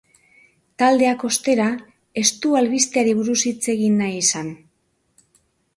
Taldeak, ostera, ez du albisteari buruz hitz egin nahi izan.